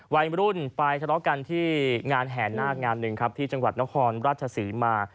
วัยรุ่นไปทะเลาะกันที่งานแห่นาคงานหนึ่งครับที่จังหวัดนครราชศรีมา